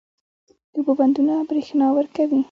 د اوبو بندونه برښنا ورکوي